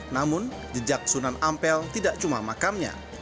namun jejak sunan ampel tidak cuma makamnya